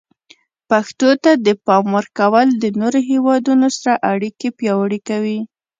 پښتو ته د پام ورکول د نورو هیوادونو سره اړیکې پیاوړي کوي.